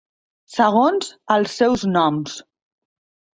segons els seus noms.